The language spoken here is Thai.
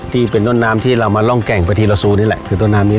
ที่เป็นต้นน้ำที่เรามาร่องแก่งประทีลาซูนี่แหละคือต้นน้ำนี้